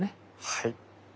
はい。